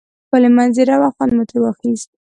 ښکلی منظره وه خوند مو تری واخیست